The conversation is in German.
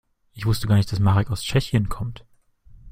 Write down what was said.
Ich wusste gar nicht, dass Marek aus Tschechien kommt.